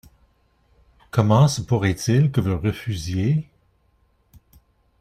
Comment se pourrait-il que vous refusiez?